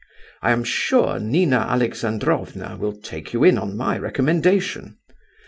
I am sure Nina Alexandrovna will take you in on my recommendation.